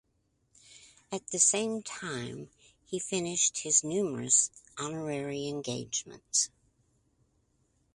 At the same time he finished his numerous honorary engagements.